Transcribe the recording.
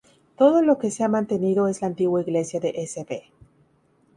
Todo lo que se ha mantenido es la antigua iglesia de Sv.